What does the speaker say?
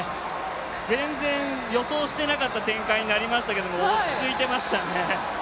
全然予想していなかった展開でしたけれども、落ち着いていましたね。